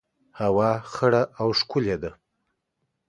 هوا خړه او ښکلي ده